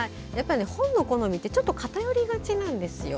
本の好みってちょっと偏りがちなんですよ。